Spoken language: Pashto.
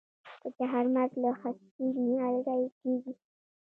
د چهارمغز له خستې نیالګی کیږي؟